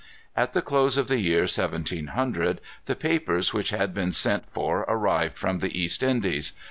At the close of the year 1700, the papers which had been sent for arrived from the East Indies.